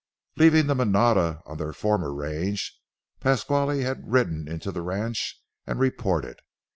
Leaving the manada on their former range, Pasquale had ridden into the ranch and reported.